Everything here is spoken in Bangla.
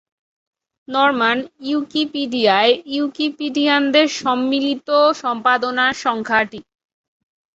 নরমান উইকিপিডিয়ায় উইকিপিডিয়ানদের সম্মিলিত সম্পাদনার সংখ্যা টি।